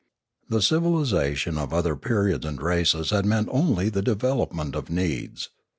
The civilisation of other periods and races had meant only the development of needs.